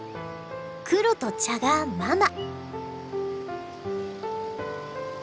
黒と茶がママ。